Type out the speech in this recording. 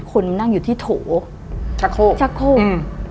คนนั่งอยู่ที่โถ่ชาโคล